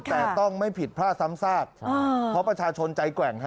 แต่ต้องไม่ผิดพลาดซ้ำซากเพราะประชาชนใจแกว่งฮ